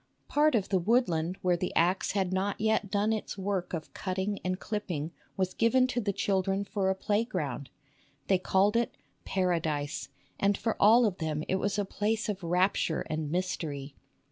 Part of the woodland where the axe had not yet done its work of cutting and clipping was given to the children for a playground. They called it " Paradise," and for all of them it was a place of rapture and mystery.